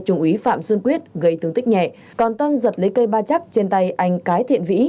trùng ý phạm xuân quyết gây tương tích nhẹ còn tân giật lấy cây ba chắc trên tay anh cái thiện vĩ